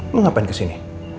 lu ngapain kesini